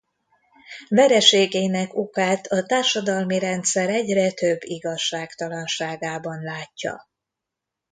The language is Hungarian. Vereségének okát a társadalmi rendszer egyre több igazságtalanságában látja.